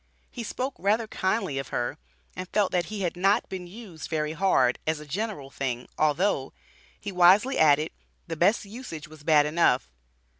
He spoke rather kindly of her, and felt that he "had not been used very hard" as a general thing, although, he wisely added, "the best usage was bad enough."